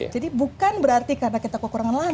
jadi bukan berarti karena kita kekurangan lahan